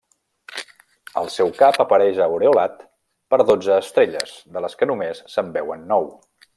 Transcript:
El seu cap apareix aureolat per dotze estrelles, de les que només se’n veuen nou.